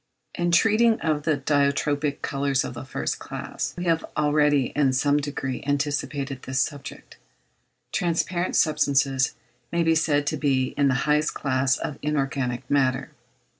In treating of the dioptrical colours of the first class (155) we have already in some degree anticipated this subject. Transparent substances may be said to be in the highest class of inorganic matter.